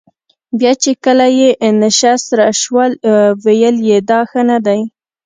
بیا چې کله یې نشه سر شول ویل یې دا ښه نه دي.